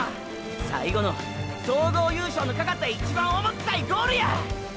最後の総合優勝のかかった一番重ったいゴールや！！